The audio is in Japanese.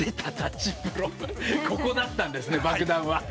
ここだったんですね爆弾は。